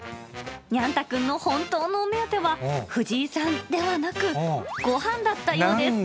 にゃん太くんの本当のお目当ては、藤井さんではなく、ごはんだったようなんです。